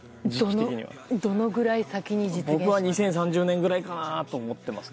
どのくらい先には僕は２０３０年ぐらいかなと思てます。